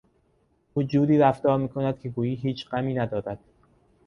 او جوری رفتار میکند که گویی هیچ غمی ندارد.